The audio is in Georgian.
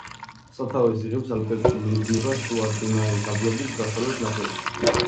სათავეს იღებს ალპებში, მიედინება შუა დუნაის დაბლობის დასავლეთ ნაწილში.